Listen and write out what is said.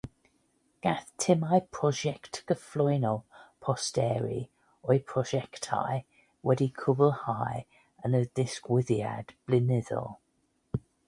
Gall timau prosiect gyflwyno posteri o'u prosiectau wedi'u cwblhau yn y digwyddiad Blynyddol.